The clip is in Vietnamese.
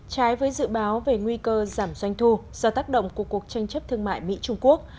trái với dự báo về nguy cơ giảm doanh thu do tác động của cuộc tranh chấp thương mại mỹ trung quốc